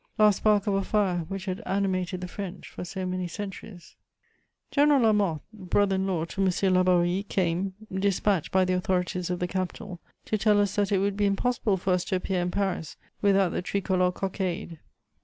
Last spark of a fire which had animated the French for so many centuries. General Lamothe, brother in law to M. Laborie, came, despatched by the authorities of the capital, to tell us that it would be impossible for us to appear in Paris without the tricolour cockade.